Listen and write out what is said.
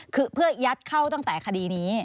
คือเพื่อยัดเข้าตั้งแต่คดีนี้